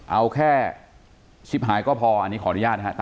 เอาแค่ชิปหายก็พออันนี้ขออนุญาตนะครับ